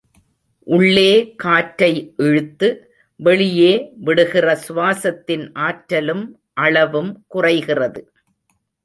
உள்ளே காற்றை இழுத்து வெளியே விடுகிற சுவாசத்தின் ஆற்றலும் அளவும் குறைகிறது.